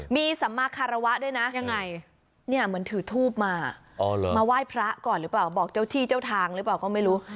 มีสัมมาคาราวะด้วยนะยังไง